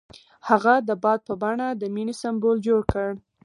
هغه د باد په بڼه د مینې سمبول جوړ کړ.